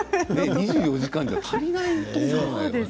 ２４時間じゃ足りないんじゃない？